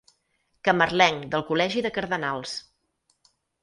Camarlenc del Col·legi de Cardenals.